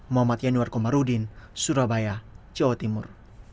muhammad yanuar komarudin surabaya jawa timur